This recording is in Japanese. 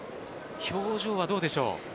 表情はどうでしょう？